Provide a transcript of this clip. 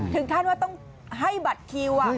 ถึงขั้นว่าต้องให้บัตรคิว